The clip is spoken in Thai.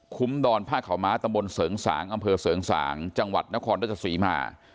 ดอนผ้าขาวม้าตำบลเสริงสางอำเภอเสริงสางจังหวัดนครราชสีมา